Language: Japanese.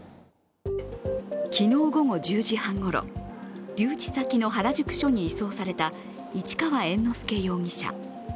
昨日午後１０時半ごろ留置先の原宿署に移送された市川猿之助容疑者。